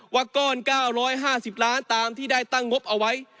ก้อน๙๕๐ล้านตามที่ได้ตั้งงบเอาไว้